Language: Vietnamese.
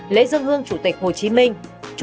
lễ dân hương chủ tịch hồ chí minh